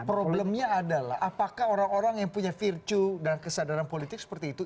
problemnya adalah apakah orang orang yang punya virtue dan kesadaran politik seperti itu